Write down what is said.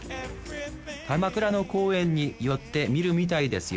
鎌倉の公園に寄ってみるみたいですよ